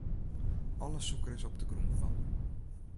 Alle sûker is op de grûn fallen.